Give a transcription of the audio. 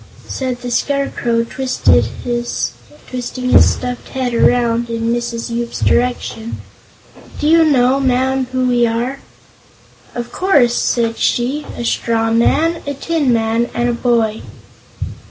Said the Scarecrow, twisting his stuffed head around in Mrs. Yoop's direction: "Do you know, Ma'am, who we are?" "Of course," said she; "a straw man, a tin man and a boy."